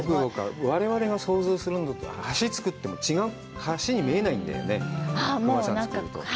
我々が想像するのとは、橋、造っても違う、橋に見えないんだよね、隈さんが造ると。